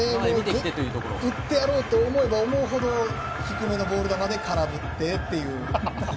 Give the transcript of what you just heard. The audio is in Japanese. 打ってやろうと思えば思うほど低めのボール球で空ぶって。